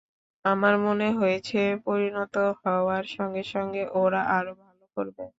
আমার মনে হয়েছে, পরিণত হওয়ার সঙ্গে সঙ্গে ওরা আরও ভালো করবে।